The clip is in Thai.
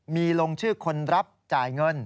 มีลงชื่อคนรับจ่ายเงิน